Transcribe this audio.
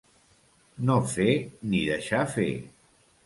No fer ni deixar fer.